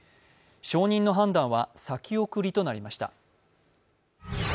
承認の判断は先送りとなりました。